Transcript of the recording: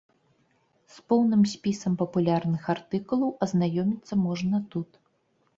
З поўным спісам папулярных артыкулаў азнаёміцца можна тут.